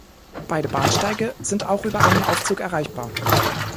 Beide Bahnsteige sind auch über einen Aufzug erreichbar.